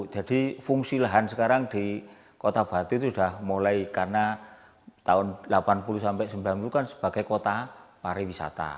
jadi fungsi lahan sekarang di kota batu itu sudah mulai karena tahun delapan puluh sembilan puluh kan sebagai kota pariwisata